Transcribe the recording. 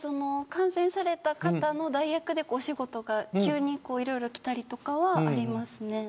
感染された方の代役でお仕事が急にいろいろきたりとかはありますね。